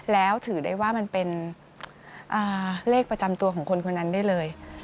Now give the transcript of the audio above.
แล้วถือได้ว่ามันเป็นเลขประจำตัวของคนคนนั้นได้เลย